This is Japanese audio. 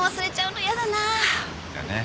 だね。